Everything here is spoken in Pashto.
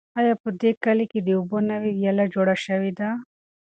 آیا په دې کلي کې د اوبو نوې ویاله جوړه شوې ده؟